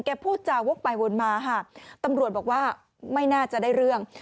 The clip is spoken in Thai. พูดจาวกไปวนมาค่ะตำรวจบอกว่าไม่น่าจะได้เรื่อง